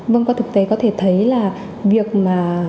vâng qua thực tế có thể thấy là việc mà